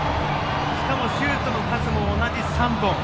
しかもシュートの数も同じ３本。